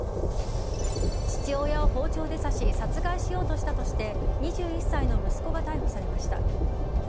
父親を包丁で刺し殺害しようとしたとして２１歳の息子が逮捕されました。